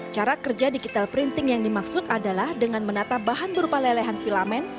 cara kerja digital printing yang dimaksud adalah dengan menata bahan berupa lelehan filament